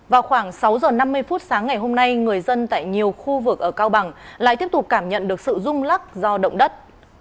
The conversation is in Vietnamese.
vào khoảng sáu giờ năm mươi phút sáng ngày hôm nay người dân tại nhiều khu vực ở cao bằng lại tiếp tục cảm nhận được sự rung lắc do động đất